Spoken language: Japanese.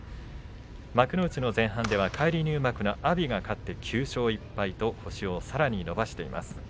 幕内の前半では返り入幕の阿炎が勝って９勝１敗と星をさらに伸ばしています。